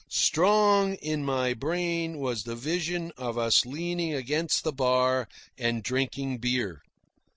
Strong in my brain was the vision of us leaning against the bar and drinking beer.